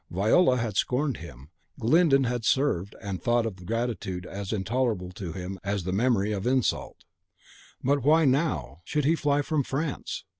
Viola had scorned him, Glyndon had served, and the thought of gratitude was as intolerable to him as the memory of insult. But why, now, should he fly from France?